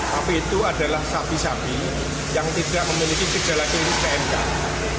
tapi itu adalah sapi sapi yang tidak memiliki kejelajahan pmk